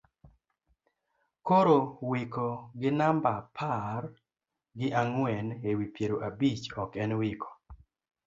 korowikoginambaapar gi ang'wen e wi piero abich ok en wiko